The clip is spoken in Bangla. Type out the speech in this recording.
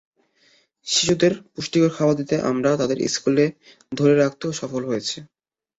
শিশুদের পুষ্টিকর খাবার দিয়ে আমরা তাদের স্কুলে ধরে রাখতেও সফল হয়েছি।